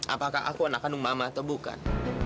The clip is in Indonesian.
apakah aku anak kandung mama atau bukan